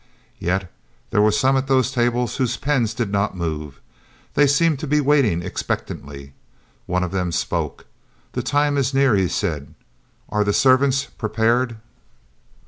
Yet there were some at those tables whose pens did not move; they seemed to be waiting expectantly. One of them spoke. "The time is near," he said. "Are the Servants prepared?"